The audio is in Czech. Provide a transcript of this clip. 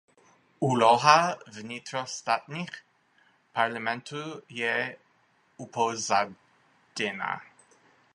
Úloha vnitrostátních parlamentů je upozaděna.